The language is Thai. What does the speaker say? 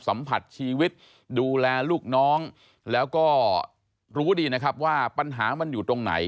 สัมผัสชีวิตดูแลลูกน้องแล้วก็รู้ดีนะครับว่าปัญหามันอยู่ตรงไหน